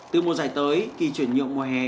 từ mùa giải tới kỳ chuyển nhượng mùa hè